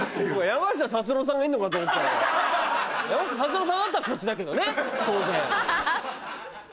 山下達郎さんだったらこっちだけどね当然。